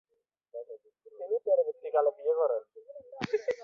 তিনি পরবর্তীকালে বিয়ে করেন।